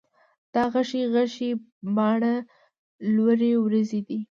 دا غشي غشي باڼه، لورې وروځې دي